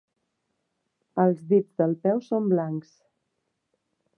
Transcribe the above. Els dits del peu són blancs.